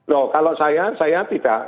loh kalau saya saya tidak